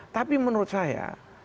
tapi menurut saya